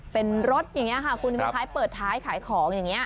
เป็นรถเปิดท้ายขายของ